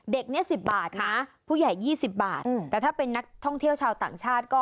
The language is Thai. เด็กนี้๑๐บาทนะผู้ใหญ่๒๐บาทแต่ถ้าเป็นนักท่องเที่ยวชาวต่างชาติก็